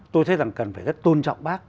tôi thấy rằng cần phải rất tôn trọng bác